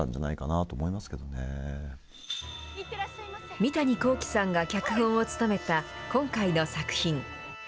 三谷幸喜さんが脚本を務めた今回の作品。